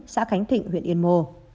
xã khánh thịnh huyện yên mô